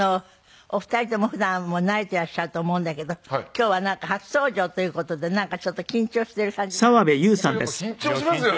お二人とも普段慣れていらっしゃると思うんだけど今日は初登場という事でちょっと緊張してる感じがあるんですって？